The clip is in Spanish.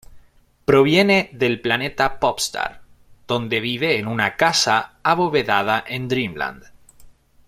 Proviene del planeta Pop Star, donde vive en una casa abovedada en Dream Land.